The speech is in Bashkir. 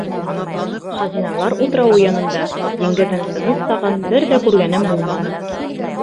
Хазиналар утрауы янында диңгеҙҙең тыныс сағын бер ҙә күргәнем булманы.